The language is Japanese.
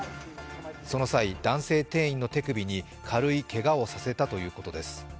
その際、男性店員の手首に軽いけがをさせたということです。